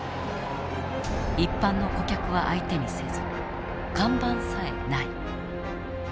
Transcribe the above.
一般の顧客は相手にせず看板さえない。